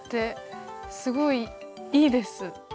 すごいいいです。